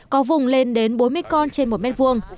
có vùng lên đến bốn mươi con trên một mét vuông